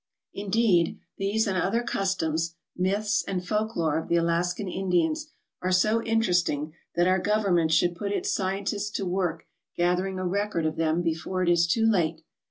Indeed, these and other customs, myths, and folklore of the Alaskan Indians are so interesting that our Govern ment should put its scientists to work gathering a record of them before it is too late.